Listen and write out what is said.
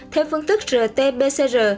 theo phương tức rt pcr